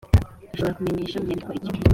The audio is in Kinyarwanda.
ashobora kumenyesha mu nyandiko ikigo